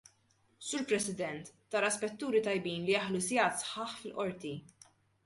Sur President, tara spetturi tajbin li jaħlu sigħat sħaħ fil-qorti.